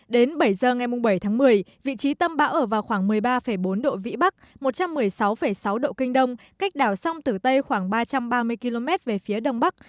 đến bảy giờ ngày bảy tháng một mươi vị trí tâm bão ở vào khoảng một mươi ba bốn độ vĩ bắc một trăm một mươi sáu sáu độ kinh đông cách đảo sông tử tây khoảng ba trăm ba mươi km về phía đông bắc